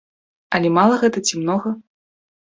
Але мала гэта ці многа?